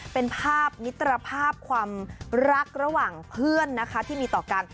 เป็นภาพมิตรภาพความรักระหว่างเพื่อนนะคะที่มีต่อกัน